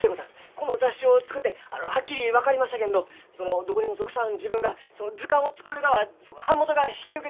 この雑誌を作ってはっきり分かりましたけんどそのどこにも属さん自分が図鑑を作るがは版元が引き受けてくれません。